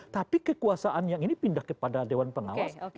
tapi kekuasaan yang ini pindah kepada dewan pengawas